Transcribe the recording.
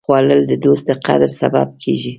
خوړل د دوست د قدر سبب کېږي